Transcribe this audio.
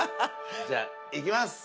じゃあいきます！